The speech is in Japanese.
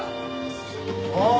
おい！！